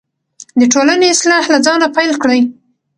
د ټولنې اصلاح له ځانه پیل کړئ.